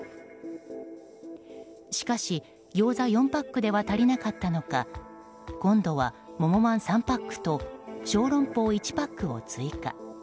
しかし、ギョーザ４パックでは足りなかったのか今度は桃まん３パックと小龍包１パックを追加。